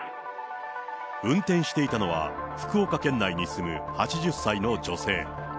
運転していたのは、福岡県内に住む８０歳の女性。